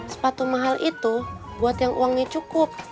sepatu mahal itu buat yang uangnya cukup